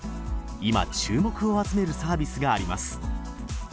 今注目を集めるサービスがあります